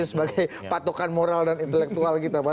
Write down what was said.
sebagai patokan moral dan intelektual kita pak